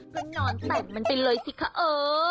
ก็นอนแต่งมันไปเลยสิคะเออ